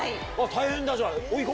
大変だじゃあ。